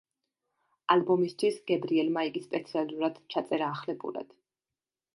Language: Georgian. ალბომისთვის გებრიელმა იგი სპეციალურად ჩაწერა ახლებურად.